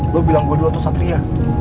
gue bilang gue dulu atau satria